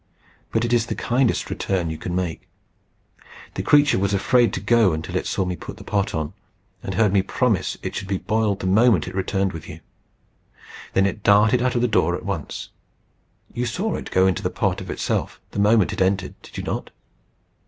But it is the kindest return you can make. The creature was afraid to go until it saw me put the pot on, and heard me promise it should be boiled the moment it returned with you. Then it darted out of the door at once. You saw it go into the pot of itself the moment it entered, did you not?"